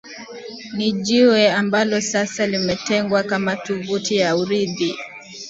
Ni jiwe ambalo sasa limetengwa kama tovuti ya Urithi